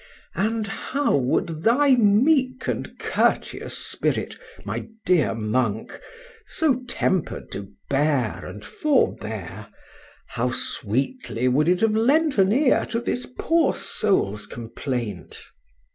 —And how would thy meek and courteous spirit, my dear monk! so temper'd to bear and forbear!—how sweetly would it have lent an ear to this poor soul's complaint!